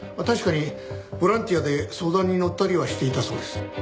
確かにボランティアで相談に乗ったりはしていたそうです。